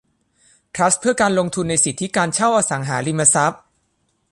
ทรัสต์เพื่อการลงทุนในสิทธิการเช่าอสังหาริมทรัพย์